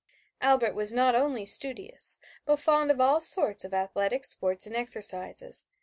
Albert was not only studious, but fond of all sorts of athletic sports and exercises.